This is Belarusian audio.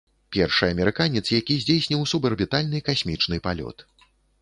Першы амерыканец, які здзейсніў субарбітальны касмічны палёт.